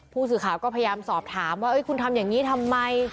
ผู้สื่อข่าวก็พยายามสอบถามว่าคุณทำอย่างนี้ทำไม